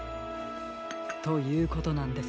ということなんです。